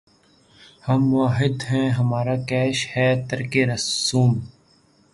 ہم موّحد ہیں‘ ہمارا کیش ہے ترکِ رسوم